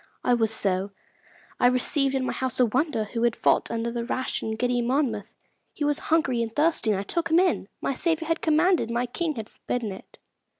I was so : I received in my house a wanderer who had fought under the rash and giddy Monmouth. He was hungry and thirsty, and I took him in. My Saviour had commanded, my King had forbidden it.